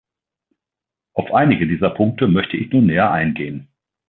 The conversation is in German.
Auf einige dieser Punkte möchte ich nun näher eingehen.